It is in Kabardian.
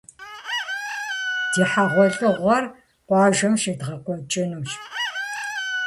Ди хьэгъуэлӀыгъуэр къуажэм щедгъэкӏуэкӏынущ.